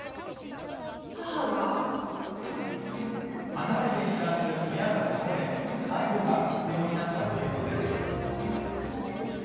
離れて暮らす母親が倒れ介護が必要になったというのです。